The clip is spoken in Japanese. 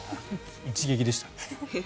一撃でした。